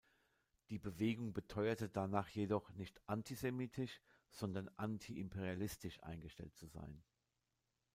Die Bewegung beteuerte danach jedoch, nicht antisemitisch, sondern antiimperialistisch eingestellt zu sein.